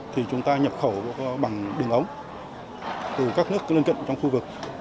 thì chúng ta nhập khẩu bằng đường ống từ các nước lân cận trong khu vực